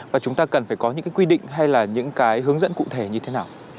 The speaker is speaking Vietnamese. và chúng ta cần phải có những quy định hay là những hướng dẫn cụ thể như thế nào